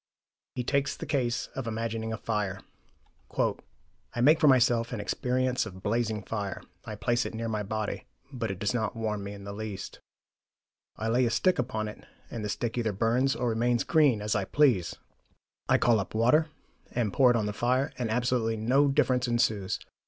He takes the case of imagining a fire. "I make for myself an experience of blazing fire; I place it near my body; but it does not warm me in the least. I lay a stick upon it and the stick either burns or remains green, as I please. I call up water, and pour it on the fire, and absolutely no difference ensues.